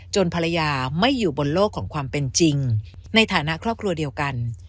ภรรยาไม่อยู่บนโลกของความเป็นจริงในฐานะครอบครัวเดียวกัน